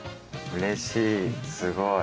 うれしい！